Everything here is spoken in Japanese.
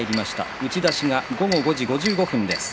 打ち出しは５時５５分です。